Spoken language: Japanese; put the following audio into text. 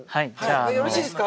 よろしいですか？